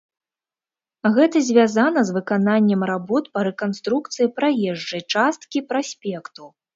Гэта звязана з выкананнем работ па рэканструкцыі праезджай часткі праспекту.